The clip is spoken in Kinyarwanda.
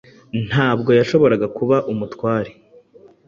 ntabwo yashoboraga kuba umutware